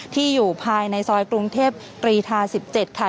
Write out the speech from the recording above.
ที่อยู่ภายในซอยกรุงเทพตรีทา๑๗ค่ะ